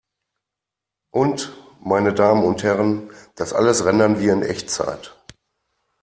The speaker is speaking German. Und, meine Damen und Herren, das alles rendern wir in Echtzeit!